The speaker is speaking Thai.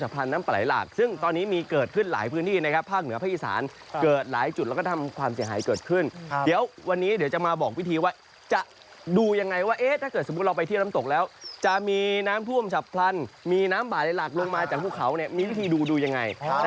แผ่งอย่างก่อนหนึ่งเราก็ไปดูสภาภาพอากาศก่อนว่าเป็นยังไงกันบ้างไหมครับเฟียร์